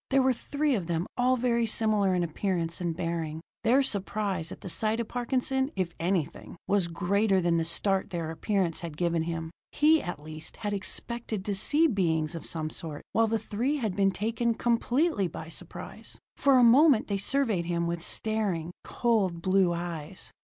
There were three of them, all very similar in appearance and bearing. Their surprise at the sight of Parkinson, if anything, was greater than the start their appearance had given him. He, at least, had expected to see beings of some sort, while the three had been taken completely by surprise. For a moment they surveyed him with staring, cold blue eyes.